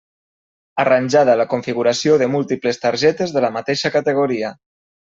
Arranjada la configuració de múltiples targetes de la mateixa categoria.